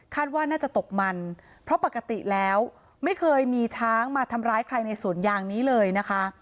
ว่าน่าจะตกมันเพราะปกติแล้วไม่เคยมีช้างมาทำร้ายใครในสวนยางนี้เลยนะคะ